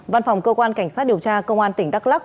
văn phòng cơ quan cảnh sát điều tra công an tỉnh đắk lắc